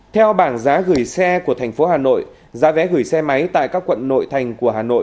theo bảng giá gửi xe của thành phố hà nội giá vé gửi xe máy tại các quận nội thành của hà nội